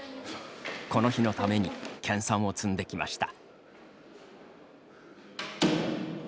この日のために研さんを積んできました。